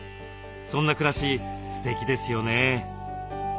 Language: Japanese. そんな暮らしすてきですよね。